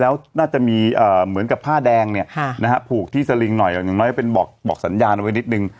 แล้วน่าจะมีเหมือนกับผ้าแดงเนี่ยนะฮะผูกที่สลิงหน่อยอย่างน้อยเป็นบอกสัญญาณเอาไว้นิดนึง